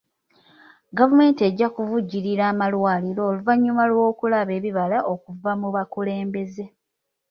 Gavumenti ejja kuvujjirira amalwaliro oluvannyuma lw'okulaba ebibala okuva mu bakulembeze.